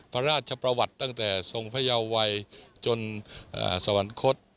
พระราชประวัติตั้งแต่ทรงพยาวัยจนสวรรคต